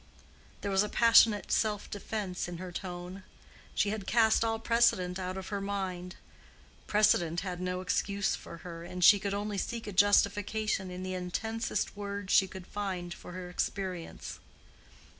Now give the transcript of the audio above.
There was a passionate self defence in her tone. She had cast all precedent out of her mind. Precedent had no excuse for her and she could only seek a justification in the intensest words she could find for her experience.